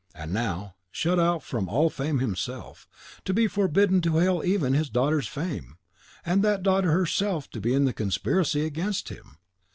And now, shut out from all fame himself; to be forbidden to hail even his daughter's fame! and that daughter herself to be in the conspiracy against him!